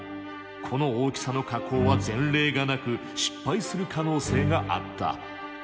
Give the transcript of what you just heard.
この大きさの加工は前例がなく失敗する可能性があった。